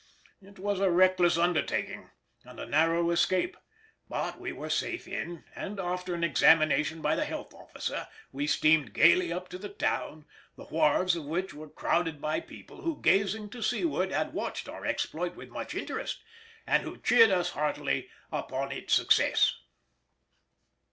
It was a reckless undertaking and a narrow escape, but we were safe in, and after an examination by the health officer we steamed gaily up to the town, the wharves of which were crowded by people, who, gazing to seaward, had watched our exploit with much interest, and who cheered us heartily upon its success.